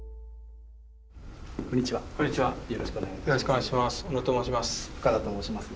よろしくお願いします。